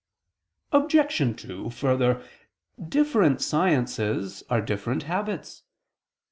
Obj. 2: Further, different sciences are different habits.